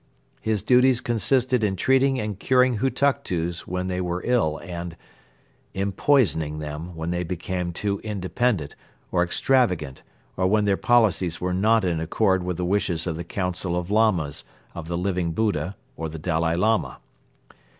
His duties consisted in treating and curing Hutuktus when they were ill and ... in poisoning them when they became too independent or extravagant or when their policies were not in accord with the wishes of the Council of Lamas of the Living Buddha or the Dalai Lama.